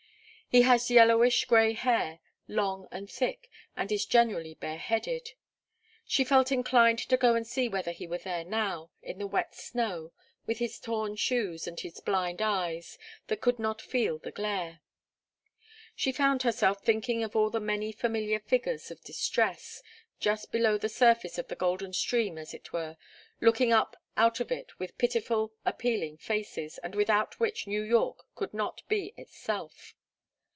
He has yellowish grey hair, long and thick, and is generally bareheaded. She felt inclined to go and see whether he were there now, in the wet snow, with his torn shoes and his blind eyes, that could not feel the glare. She found herself thinking of all the many familiar figures of distress, just below the surface of the golden stream as it were, looking up out of it with pitiful appealing faces, and without which New York could not be itself.